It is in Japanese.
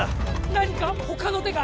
何か他の手が？